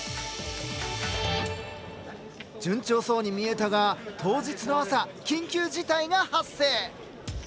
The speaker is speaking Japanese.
順調そうに見えたが当日の朝緊急事態が発生！